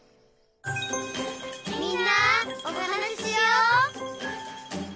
「みんなおはなししよう」